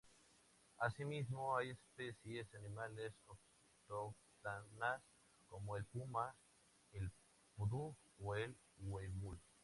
Asimismo, hay especies animales autóctonas como el puma, el pudú o el huemul.